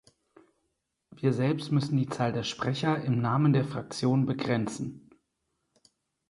Wir selbst müssen die Zahl der Sprecher im Namen der Fraktion begrenzen.